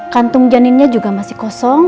kantung janinnya juga masih kosong